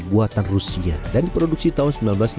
buatan rusia dan diproduksi tahun seribu sembilan ratus delapan puluh